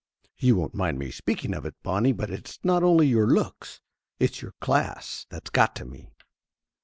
You won't mind my speaking of it, Bonnie, but it's not only your looks, it's your class, that's got to me.